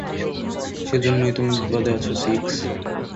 সেজন্যই তুমি বিপদে আছো, সিক্স।